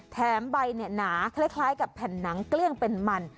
แถมใบเนี่ยหนาคล้ายกับแผ่นน้ำเกลี้ยงเป็นมัน